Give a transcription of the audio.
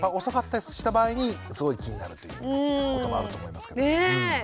遅かったりした場合にすごい気になるということもあると思いますけども。